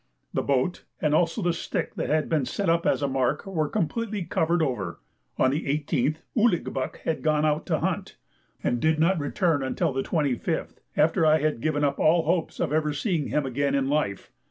The boat, and also the stick that had been set up as a mark, were completely covered over. On the 18th Ouligbuck had gone out to hunt, and did not return till the 25th, after I had given up all hopes of ever seeing him again in life.